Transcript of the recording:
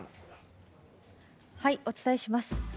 お伝えします。